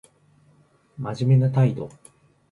真面目な態度